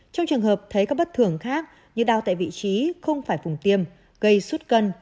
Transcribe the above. trong trường hợp thấy các bất thường khác như đau tại vị trí không phải vùng tiêm gây suốt cân